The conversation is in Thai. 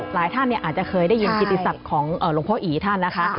หลายท่านอาจจะเคยได้ยินกิติศักดิ์ของหลวงพ่ออีท่านนะคะ